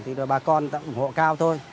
thì rồi bà con đã ủng hộ cao